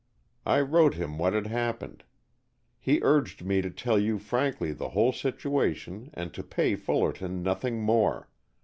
I wrote him what had happened. He urged me to tell you frankly the whole situation and to pay Fullerton nothing more.